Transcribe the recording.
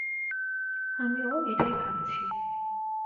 আমিও এটাই ভাবছি।